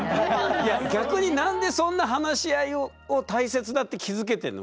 逆に何でそんな話し合いを大切だって気付けてるの？